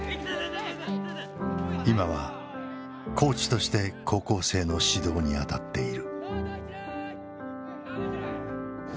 今はコーチとして高校生の指導にあたっている。